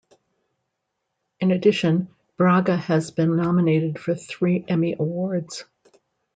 In addition, Braga has been nominated for three Emmy Awards.